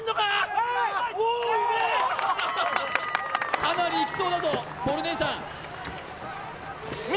かなりいきそうだぞボル姉さん右！